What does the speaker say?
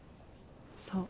そう。